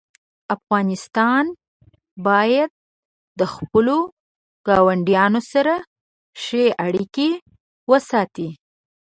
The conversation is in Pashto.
افغانستان باید د خپلو ګاونډیانو سره ښې اړیکې وساتي.